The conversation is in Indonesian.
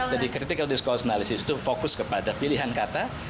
jadi critical discourse analysis itu fokus kepada pilihan kata